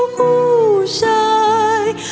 คู่ชาย